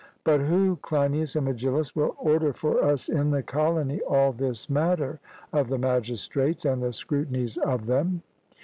But who, Cleinias and Megillus, will order for us in the colony all this matter of the magistrates, and the scrutinies of them?